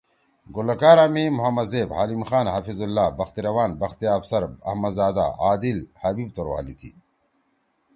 گلوکارا می محمد زیب، حلیم خان، حفیظ اللّٰہ، بخت روان، بخت آفسر، احمد زادہ، عادل، حبیب توروالی تھی۔